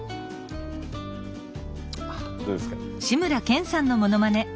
どうですか？